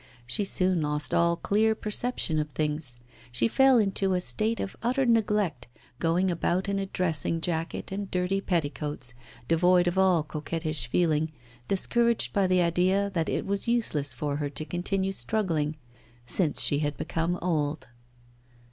She soon lost all clear perception of things; she fell into a state of utter neglect, going about in a dressing jacket and dirty petticoats, devoid of all coquettish feeling, discouraged by the idea that it was useless for her to continue struggling, since she had become old.